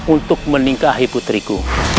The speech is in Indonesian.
untuk meningkahi putriku